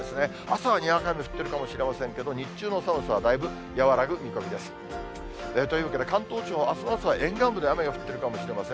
朝はにわか雨降ってるかもしれませんけれども、日中の寒さは、だいぶ和らぐ見込みです。というわけで、関東地方、あすの朝は沿岸部で雨が降ってるかもしれません。